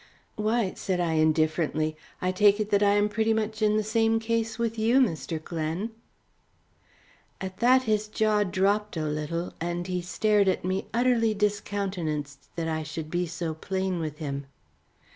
"Why," said I, indifferently, "I take it that I am pretty much in the same case with you, Mr. Glen." At that his jaw dropped a little, and he stared at me utterly discountenanced that I should be so plain with him.